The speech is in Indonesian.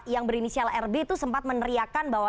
yang berinisial rb itu sempat meneriakan bahwa